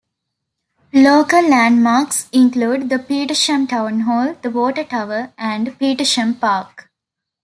Local landmarks include the Petersham Town Hall, the water tower and Petersham Park.